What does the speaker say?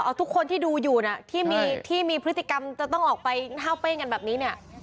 เอาทุกคนที่ดูอยู่นะที่มีพฤติกรรมจะต้องออกไปห้าวเป้งกันแบบนี้เนี่ย